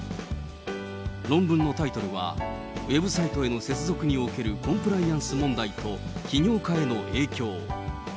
論文のタイトルは、ウェブサイトの接続におけるコンプライアンス問題と起業家への影響。